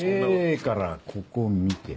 ええからここ見て。